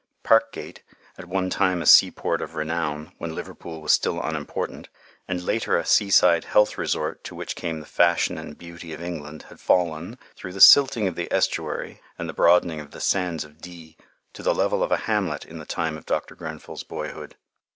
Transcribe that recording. Parkgate, at one time a seaport of renown, when Liverpool was still unimportant, and later a seaside health resort to which came the fashion and beauty of England, had fallen, through the silting of the estuary and the broadening of the "Sands of Dee," to the level of a hamlet in the time of Dr. Grenfell's boyhood.